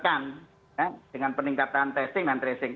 dan itu harus ditekan dengan peningkatan testing dan tracing